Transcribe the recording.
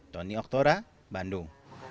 tony oktora bandung